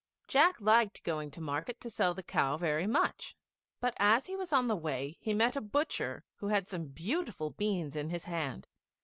Jack liked going to market to sell the cow very much; but as he was on the way, he met a butcher who had some beautiful beans in his hand.